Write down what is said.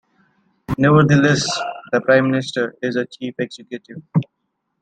Nevertheless, the Prime Minister is the chief executive.